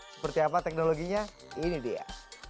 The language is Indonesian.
seperti apa teknologinya ini dia